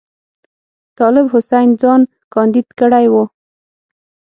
طالب حسین ځان کاندید کړی وو.